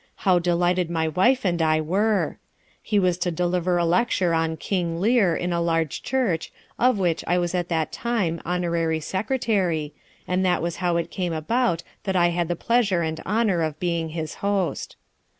How delighted my wife and I were! He was to deliver a lecture on 'King Lear' in a large church, of which I was at that time honorary secretary, and that was how it came about that I had the pleasure and honor of being his host.